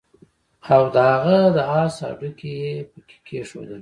او د هغه د آس هډوکي يې پکي کېښودل